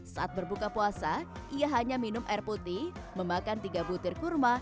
saat berbuka puasa ia hanya minum air putih memakan tiga butir kurma